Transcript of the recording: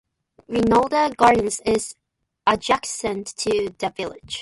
Reynolda Gardens is adjacent to the village.